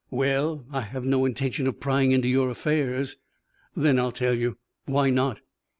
"Well I have no intention of prying into your affairs." "Then I'll tell you. Why not?"